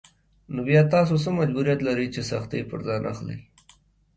نو بيا تاسو څه مجبوريت لرئ چې سختۍ پر ځان اخلئ.